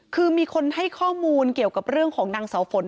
คือมีคนให้ข้อมูลเกี่ยวกับเรื่องของนางเสาฝน